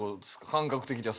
感覚的に。